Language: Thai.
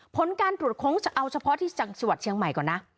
ผลการตรวจค้นจะเอาเฉพาะที่จังหวัดเชียงใหม่ก่อนนะ